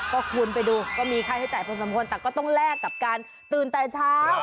ก็คุณไปดูก็มีค่าใช้จ่ายพอสมควรแต่ก็ต้องแลกกับการตื่นแต่เช้า